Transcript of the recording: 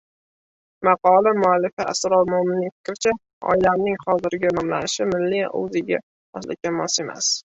Maqola muallifi Asror Moʻminning fikricha, oylarning hozirgi nomlanishi milliy oʻziga xoslikka mos emas.